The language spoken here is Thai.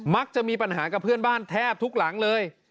มักจะมีปัญหากับเพื่อนบ้านแทบทุกหลังเลย